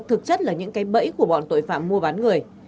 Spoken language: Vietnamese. thực chất là những cái bẫy của bọn tội phạm mua bán người